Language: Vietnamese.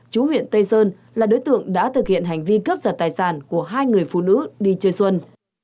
chú huyện tây sơn là đối tượng đã thực hiện hành vi cướp giật tài sản của hai người phụ nữ đi chơi xuân